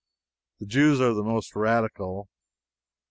The Jews are the most radical.